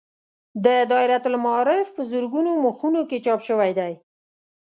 دا دایرة المعارف په زرګونو مخونو کې چاپ شوی دی.